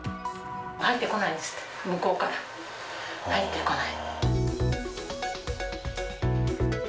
入ってこないんですって、向こうから、入ってこない。